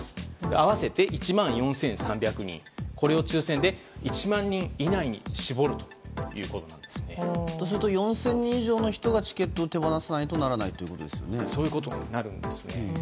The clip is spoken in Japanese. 合わせて１４３００人を抽選で１万人以内に絞るということです。とすると４０００人以上の人がチケットを手放さないとそういうことになるんですね。